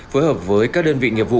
phối hợp với các đơn vị nghiệp vụ